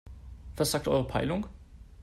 Was sagt eure Peilung?